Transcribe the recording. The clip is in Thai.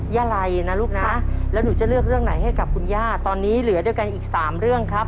อะไรนะลูกนะแล้วหนูจะเลือกเรื่องไหนให้กับคุณย่าตอนนี้เหลือด้วยกันอีก๓เรื่องครับ